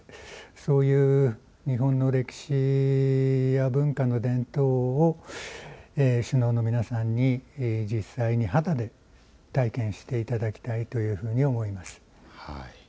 そういう日本の歴史や文化の伝統を首脳の皆さんに、実際に肌で体験していただきたいというふうに思います。